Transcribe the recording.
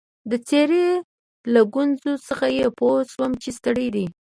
د څېرې له ګونجو څخه يې پوه شوم چي ستړی دی.